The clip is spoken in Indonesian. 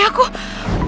yolah kue aku